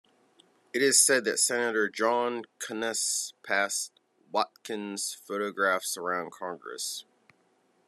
It is said that Senator John Conness passed Watkins' photographs around Congress.